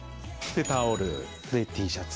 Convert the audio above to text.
でタオルＴシャツ。